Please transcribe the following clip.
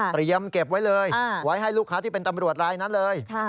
เก็บไว้เลยไว้ให้ลูกค้าที่เป็นตำรวจรายนั้นเลย